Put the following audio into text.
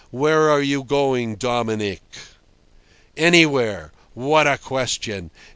Where are you going, Dominic?" "Anywhere. What a question!